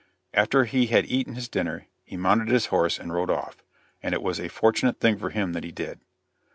After he had eaten his dinner, he mounted his horse and rode off, and it was a fortunate thing for him that he did.